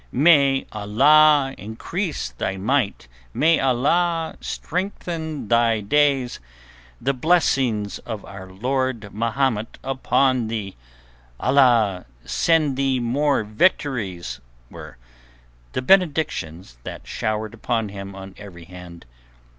"May Allah increase thy might! May Allah lengthen thy days! The blessings of our Lord Mahomet upon thee! Allah send thee more victories!" were the benedictions that showered upon him on every hand.